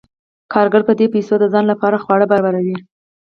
کارګر په دې پیسو د ځان لپاره خواړه برابروي